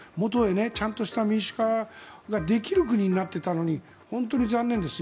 ちゃんとした民主化ができる国になっていたのに本当に残念です。